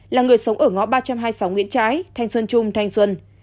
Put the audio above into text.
là người sống ở ngõ ba trăm hai mươi sáu nguyễn trái thanh xuân trung thanh xuân